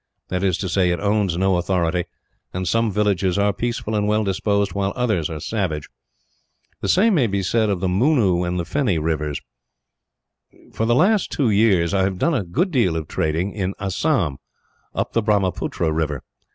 That is to say, it owns no authority; and some villages are peaceable and well disposed, while others are savage. The same may be said of the Munnoo and Fenny rivers. "For the last two years I have done a good deal of trade in Assam, up the Brahmaputra river.